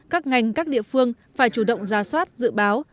các ngành các địa phương phải chủ động ra soát dự báo